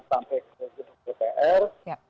sampai ke gedung dpr